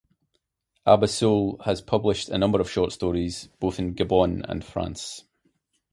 Abessole has published a number of short stories in both Gabon and France.